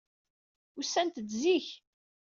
Usant-d zik.